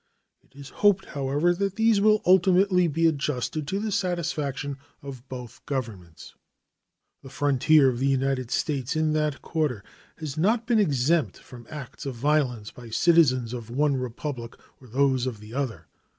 It is hoped, however, that these will ultimately be adjusted to the satisfaction of both Governments. The frontier of the United States in that quarter has not been exempt from acts of violence by citizens of one Republic on those of the other.